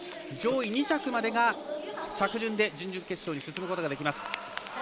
上位２着までが着順で準々決勝に進むことができます。